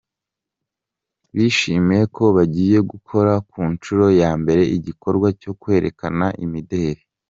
Bishimiye ko bagiye gukora ku nshuro ya mbere igikorwa cyo kwerekana imideri.